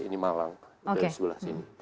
ini malang dari sebelah sini